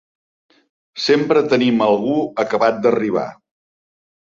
Sempre tenim algú acabat d'arribar.